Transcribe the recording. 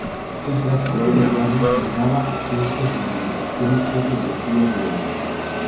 El transporte de banano llegaba a puerto sin interrupción todos los días del año.